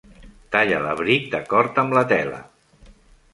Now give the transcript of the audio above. Talla l'abric d'acord amb la tela.